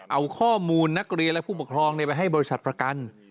เอาข้อมูลนักเรียนและผู้ปกครองไปให้บริษัทประกัน